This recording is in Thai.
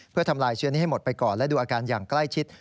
เพื่อทำลายเชื้อนี้ให้หมดไปก่อนและดูอาการอย่างใกล้ชิด